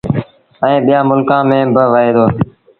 ائيٚݩ ٻيٚآݩ ملڪآݩ ميݩ با وهي ديٚ